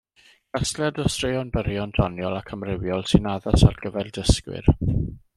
Casgliad o straeon byrion doniol ac amrywiol sy'n addas ar gyfer dysgwyr.